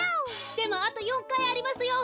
でもあと４かいありますよ！